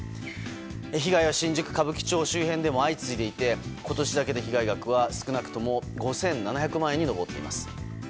被害は新宿・歌舞伎町周辺でも相次いでいて今年だけで被害額は少なくとも５７００万円に上っています。